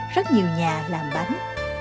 rất nhiều nhà làm bánh